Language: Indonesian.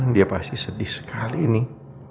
dia pasti sedih sekali ini